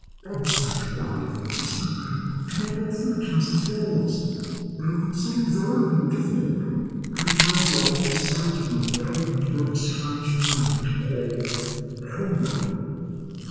I beseech you, my dear Princess Bébè, to look at our fruit trees and flowers. They are considered very beautiful. I have no doubt but the sight of them will help you to bear this strange feeling which you call hunger."